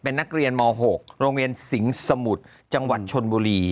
นักเรียนม๖โรงเรียนสิงห์สมุทรจังหวัดชนบุรี